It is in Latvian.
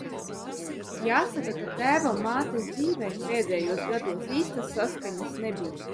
Jāsaka, ka tēva un mātes dzīvē pēdējos gados īstas saskaņas nebija.